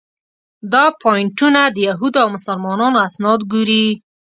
دا پواینټونه د یهودو او مسلمانانو اسناد ګوري.